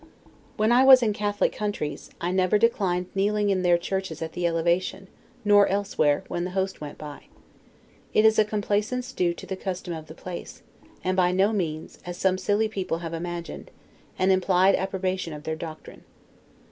When I was in Catholic countries, I never declined kneeling in their churches at the elevation, nor elsewhere, when the Host went by. It is a complaisance due to the custom of the place, and by no means, as some silly people have imagined, an implied approbation of their doctrine.